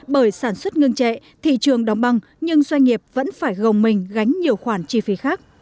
bởi sản xuất ngưng trệ thị trường đóng băng nhưng doanh nghiệp vẫn phải gồng mình gánh nhiều khoản chi phí khác